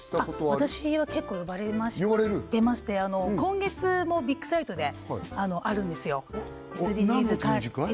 私は結構呼ばれてまして今月もビッグサイトであるんですよ何の展示会？